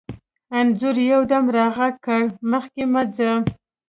انځور یو دم را غږ کړ: مخکې مه ځه.